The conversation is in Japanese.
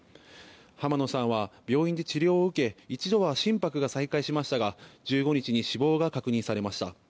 浜野さんは病院で治療を受け一度は心拍が再開しましたが１５日に死亡が確認されました。